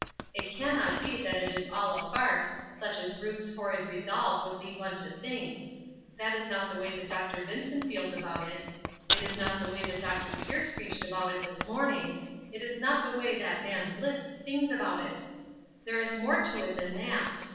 It can not be that it is all a farce, such as Ruth's horrid resolve would lead one to think; that is not the way that Dr. Vincent feels about it; it is not the way that Dr. Pierce preached about it this morning; it is not the way that man Bliss sings about it. There is more to it than that.